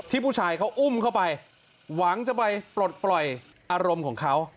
ผู้ชายเขาอุ้มเข้าไปหวังจะไปปลดปล่อยอารมณ์ของเขา